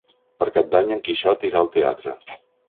Per Cap d'Any en Quixot irà al teatre.